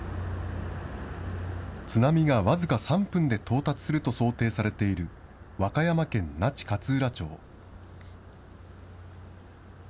津波が僅か３分で到達すると想定されている和歌山県那智勝浦町。